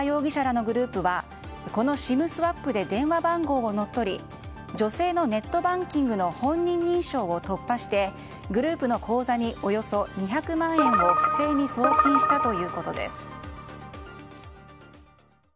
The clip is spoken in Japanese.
大根田容疑者らのグループはこのＳＩＭスワップで電話番号を乗っ取り女性のネットバンキングの本人認証を突破して突破して、グループの口座におよそ２００万円を不正に送金したということです。